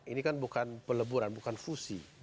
ini kan bukan peleburan bukan fusi